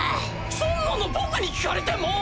そんなの僕に聞かれても！